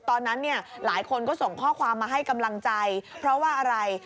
ตอนนั้นเนี่ยหลายคนก็ส่งข้อความมาให้กำลังใจเพราะว่าอะไร